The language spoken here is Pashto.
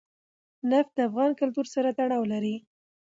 نفت د افغان کلتور سره تړاو لري.